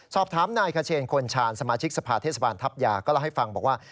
สอบถามนายขเชนคนชาญสมาชิกสภาเทศบาลทัพยาก็เล่าให้ฟังบอกว่า